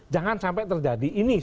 jangan sampai terjadi ini